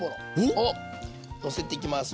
おっ！をのせていきます。